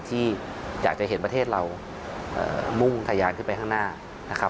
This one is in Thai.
ที่อยากจะเห็นประเทศเรามุ่งทะยานขึ้นไปข้างหน้านะครับ